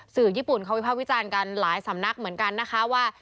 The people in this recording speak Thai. ญี่ปุ่นเขาวิภาควิจารณ์กันหลายสำนักเหมือนกันนะคะว่า